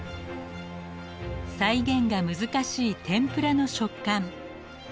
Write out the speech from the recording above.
再現が難しい天ぷらの食感。